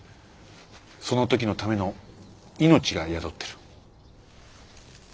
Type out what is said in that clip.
その時のための命が宿ってる。